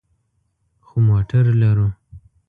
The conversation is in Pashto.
خو موټر لرو